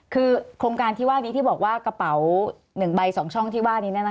คือโครงการที่ว่านี้ที่บอกว่ากระเป๋า๑ใบ๒ช่องที่ว่านี้